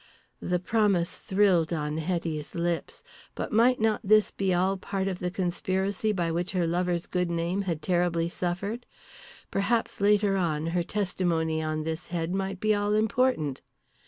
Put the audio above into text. The promise thrilled on Hetty's lips. But might not this be all part of the conspiracy by which her lover's good name had terribly suffered? Perhaps later on, her testimony on this head might be all important.